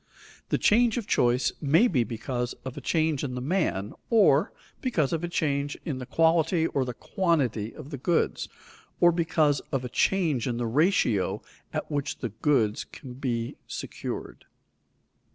The change of choice may be because of a change in the man, or because of a change in the quality or the quantity of the goods; or because of a change in the ratio at which the goods can be secured.